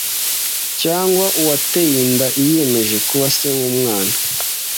cyangwa uwateye inda yiyemeje kuba se w’umwana